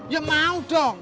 ya mau dong